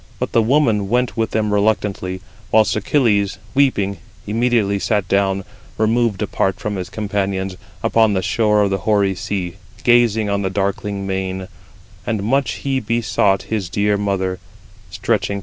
But the woman went with them reluctantly, whilst Achilles, weeping, 45 immediately sat down, removed apart from his companions, upon the shore of the hoary sea, gazing on the darkling main; and much he be sought his dear mother, stretching forth his hands: Footnote 41: (return) Hesych.